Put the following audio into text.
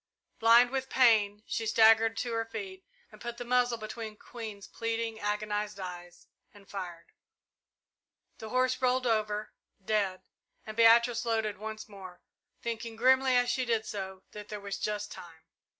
Blind with pain, she staggered to her feet, put the muzzle between Queen's pleading, agonized eyes, and fired. The horse rolled over, dead, and Beatrice loaded once more, thinking grimly, as she did so, that there was just time.